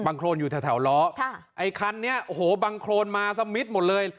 โครนอยู่แถวล้อค่ะไอ้คันนี้โอ้โหบังโครนมาสมิทหมดเลย